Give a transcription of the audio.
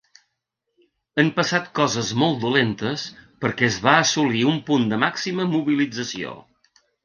Han passat coses molt dolentes perquè es va assolir un punt de màxima mobilització.